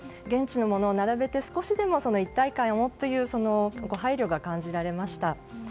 現地のものを並べて少しでも一体感をというご配慮が感じられました。